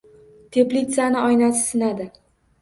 Teplitsaning oynasi sinadi.